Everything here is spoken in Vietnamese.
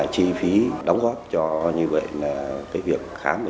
chi phí đóng góp cho việc khám và chữa bệnh